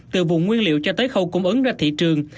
từ vùng nguyên liệu cho tới khâu cung ứng ra thị trường